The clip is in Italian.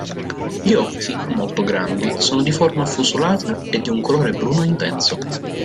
Gli occhi, molto grandi, sono di forma affusolata e di un colore bruno intenso.